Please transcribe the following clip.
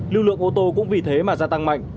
lưu lượng ô tô cũng vì thế mà gia tăng mạnh